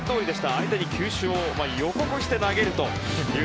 相手に球種を予告して投げるという。